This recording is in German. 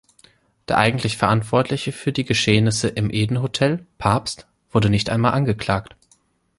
Der eigentlich Verantwortliche für die Geschehnisse im Eden-Hotel, Pabst, wurde nicht einmal angeklagt.